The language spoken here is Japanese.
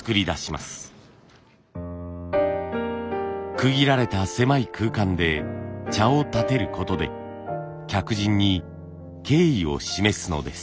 区切られた狭い空間で茶をたてることで客人に敬意を示すのです。